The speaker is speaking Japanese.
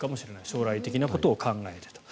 将来的なことを考える。